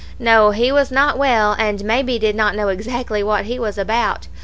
No; he was not well, and may be did not know exactly what he was about.